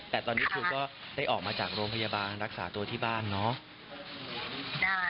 แต่ตอนนี้ครูก็ได้ออกมาจากโรงพยาบาลรักษาตัวที่บ้านเนาะ